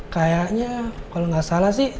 kayaknya kalau nggak salah sih